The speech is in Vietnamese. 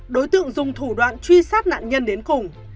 đối tượng dùng thủ đoạn truy sát nạn nhân đến cùng